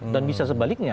dan bisa sebaliknya